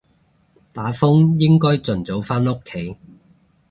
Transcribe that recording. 打風應該盡早返屋企